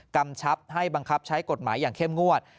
กำชับให้บังคับใช้กฎหมายอย่างเข้มงวด